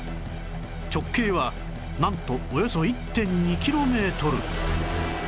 直径はなんとおよそ １．２ キロメートル